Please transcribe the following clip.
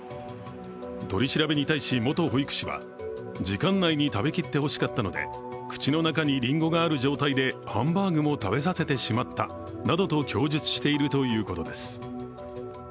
取り調べに対し元保育士は時間内に食べきってほしかったので、口の中にりんごがある状態でハンバーグも食べさせてしまったなどと供述してるということです。